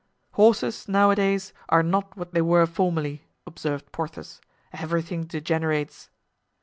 "Horses, nowadays, are not what they were formerly," observed Porthos; "everything degenerates."